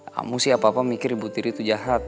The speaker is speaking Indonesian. kamu sih apa apa mikir ibu tiri itu jahat